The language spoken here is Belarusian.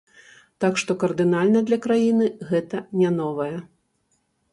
Так што кардынальна для краіны гэта не новае.